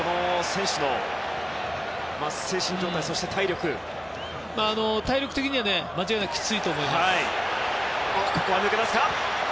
選手の精神状態体力的には間違いなくきついと思います。